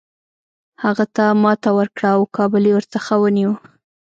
هغه ته ماته ورکړه او کابل یې ورڅخه ونیوی.